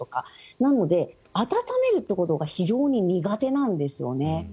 なので、温めるっていうことが非常に苦手なんですよね。